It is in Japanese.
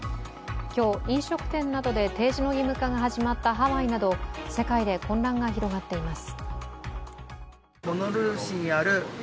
今日飲食店などで提示の義務化が始まったハワイなど世界で混乱が広がっています。